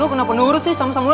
lo kenapa nurut sih sama sama lo